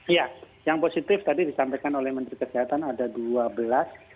iya yang positif tadi disampaikan oleh menteri kesehatan ada dua belas